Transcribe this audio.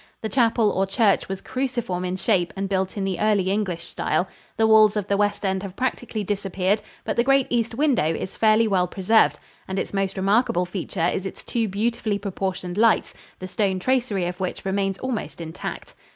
The chapel or church was cruciform in shape and built in the early English style. The walls of the west end have practically disappeared, but the great east window is fairly well preserved and its most remarkable feature is its two beautifully proportioned lights, the stone tracery of which remains almost intact.